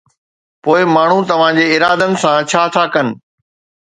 پوءِ ماڻهو توهان جي ارادن سان ڇا ٿا ڪن؟